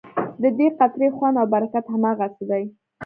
ددې قطرې خوند او برکت هماغسې دی.